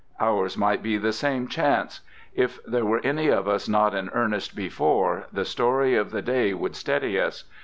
Ours might be the same chance. If there were any of us not in earnest before, the story of the day would steady us.